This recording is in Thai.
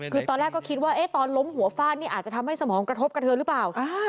คือตอนแรกก็คิดว่าตอนล้มหัวฟาดนี่อาจจะทำให้สมองกระทบกระเทือหรือเปล่า